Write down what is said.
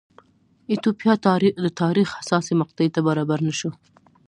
ایتوپیا د تاریخ حساسې مقطعې ته برابر نه شو.